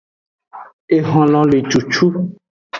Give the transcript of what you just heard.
Ehonlo le cucu.